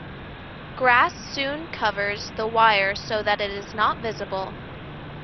Grass soon covers the wire so that it is not visible.